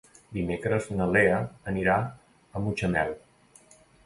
Dimecres na Lea anirà a Mutxamel.